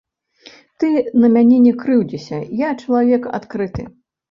Ты на мяне не крыўдзіся, я чалавек адкрыты.